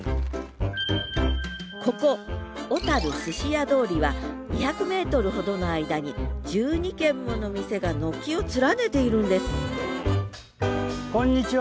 ここ小寿司屋通りは２００ｍほどの間に１２軒もの店が軒を連ねているんですこんにちは。